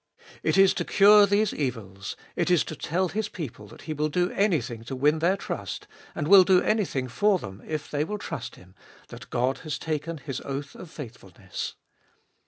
It is to cure these evils ; it is to tell His people that He will do anything to win their trust, and will do anything for them if they will trust Him, that God has taken His oath of faithfulness.